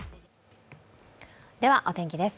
ではお天気です。